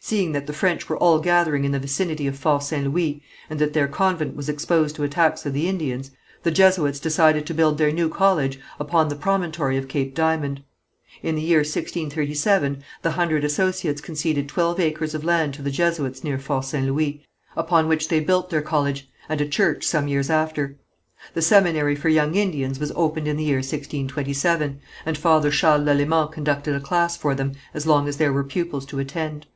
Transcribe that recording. Seeing that the French were all gathering in the vicinity of Fort St. Louis, and that their convent was exposed to attacks of the Indians, the Jesuits decided to build their new college upon the promontory of Cape Diamond. In the year 1637 the Hundred Associates conceded twelve acres of land to the Jesuits near Fort St. Louis, upon which they built their college and a church, some years after. The seminary for young Indians was opened in the year 1627, and Father Charles Lalemant conducted a class for them as long as there were pupils to attend.